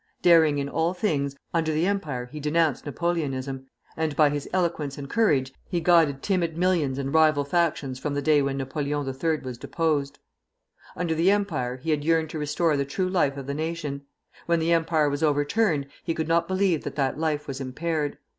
Daring in all things, under the Empire he denounced Napoleonism, and by his eloquence and courage he guided timid millions and rival factions from the day when Napoleon III. was deposed. Under the Empire he had yearned to restore the true life of the nation; when the Empire was overturned he could not believe that that life was impaired.